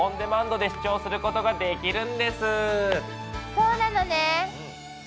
そうなのね。